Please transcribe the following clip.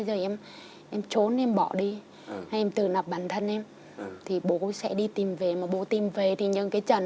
là em trốn em bỏ đi em tự nập bản thân em thì bố sẽ đi tìm về mà bố tìm về thì những cái trận